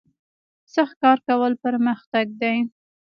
سخت کار کول پرمختګ دی